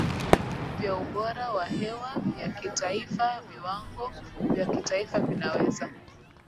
vya ubora wa hewa ya kitaifa Viwango vya kitaifa vinaweza